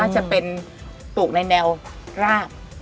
จะปลูกในแนวราก